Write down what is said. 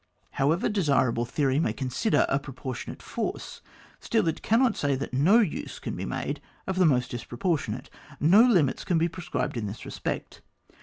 However desirable theory may consider a proportionate force, still it cannot say that no use can be made of the most dis proportionate. No limits can be pre scribed in this respect.